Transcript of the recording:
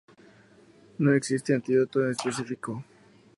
No existe antídoto específico.